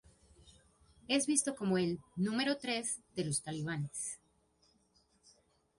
Es visto como el "número tres" de los talibanes.